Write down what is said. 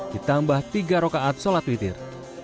ditambah tiga rokaat sholat witir